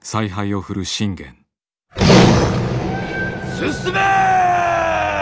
進め！